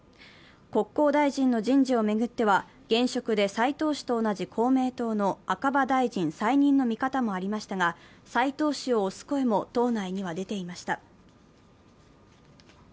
国交大臣の人事を巡っては、現職で斉藤氏と同じ公明党の赤羽大臣再任の見方もありましたが斉藤氏を推す声も党内には出ていました。